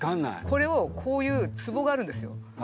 これをこういうツボがあるんですよ。